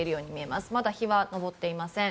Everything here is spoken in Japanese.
まだ日は上っていません。